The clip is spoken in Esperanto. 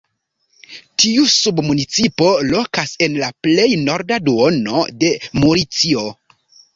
Tiu submunicipo lokas en la plej norda duono de Murcio.